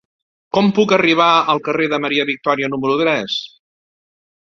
Com puc arribar al carrer de Maria Victòria número tres?